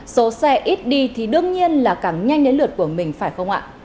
số xe ít đi thì đương nhiên là càng nhanh đến lượt của mình phải không ạ